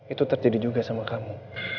itu terjadi juga sama kamu